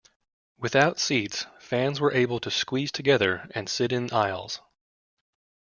Without seats, fans were able to squeeze together and sit in aisles.